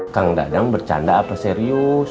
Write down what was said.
kang dadang bercanda apa serius